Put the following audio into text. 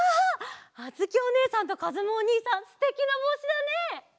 あづきおねえさんとかずむおにいさんすてきなぼうしだね。